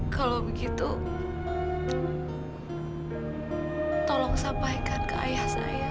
kalau begitu tolong sampaikan ke ayah saya